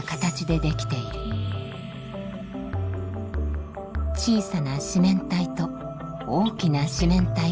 小さな四面体と大きな四面体は相似。